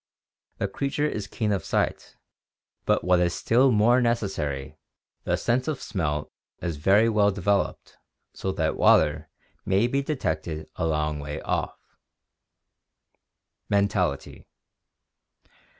The creature is keen of sight, but what is still more necessary, the sense of smell is very well developed so that water may be detected a long way off. Mentality.